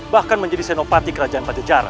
bahkan menjadi senopati kerajaan panjang jalan